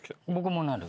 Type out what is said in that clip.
なる。